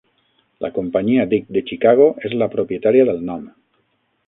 La Companyia Dick de Chicago és la propietària del nom.